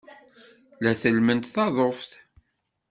La tellment taḍuft.